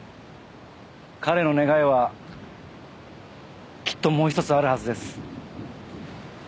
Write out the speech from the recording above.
彼の願いはきっともう１つあるはずです。